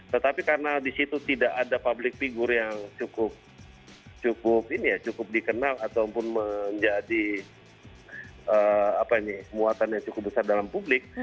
tetapi karena di situ tidak ada publik figur yang cukup ini ya cukup dikenal ataupun menjadi apa ini muatannya cukup besar dalam publik